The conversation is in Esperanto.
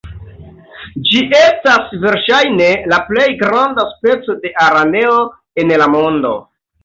Ĝi estas verŝajne la plej granda speco de araneo en la mondo.